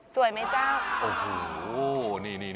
สวยไหมจ้าวโอ้โหนี่